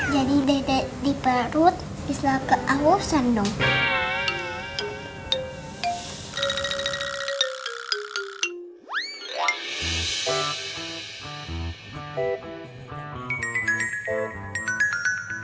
jadi dede di perut bisa keawasan dong